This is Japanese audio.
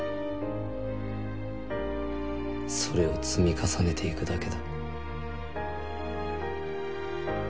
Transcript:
それを積み重ねていくだけだ。